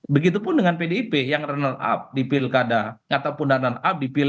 begitupun dengan pdip yang runner up di pilkada ataupun dengan runner up